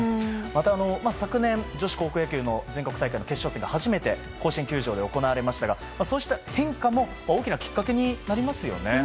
また、昨年女子高校野球の全国大会の決勝戦が初めて甲子園球場で行われましたが、そうした変化も大きなきっかけになりますよね。